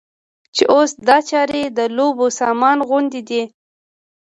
چې اوس دا چارې د لوبو سامان غوندې دي.